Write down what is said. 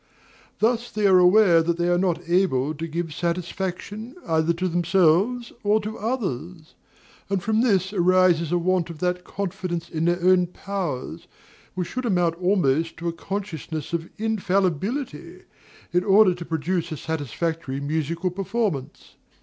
Thus they are aware that they are not able to give satisfaction, either to themselves or to others; and from this arises a want of that confidence in their own powers, which should amount almost to a consciousness of infallibility, in order to produce a satisfactory musical performance.